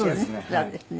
そうですね。